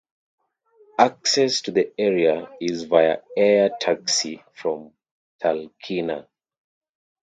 Access to the area is via air taxi from Talkeetna.